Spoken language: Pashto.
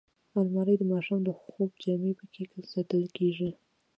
الماري د ماښام د خوب جامې پکې ساتل کېږي